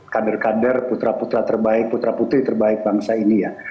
kader kader putra putra terbaik putra putri terbaik bangsa ini ya